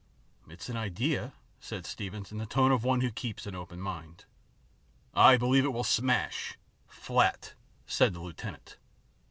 " It's an idea," said Steevens, in the tone of one who keeps an open mind. "I believe it will smash flat," said the lieutenant.